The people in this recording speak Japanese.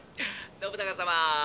「信長様